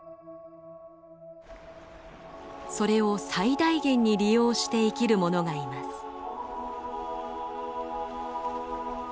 それを最大限に利用して生きるものがいます。